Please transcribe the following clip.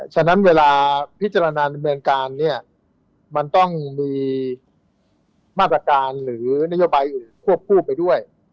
ฉะนั้นเวลาพิจารณาดำเนินการเนี่ยมันต้องมีมาตรการหรือนโยบายอื่นควบคู่ไปด้วย